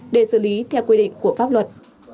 để xử lý theo quy định của pháp luật